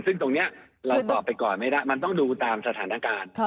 ซึ่งตรงนี้เราตอบไปก่อนไม่ได้มันต้องดูตามสถานการณ์